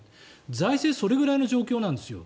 財政それくらいの状況なんですよ。